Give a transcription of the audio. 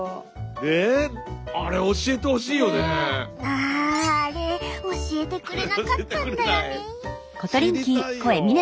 あああれ教えてくれなかったんだよね。